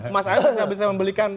mas awi bisa membelikan